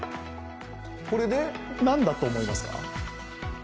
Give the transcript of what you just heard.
これ、なんだと思いますか？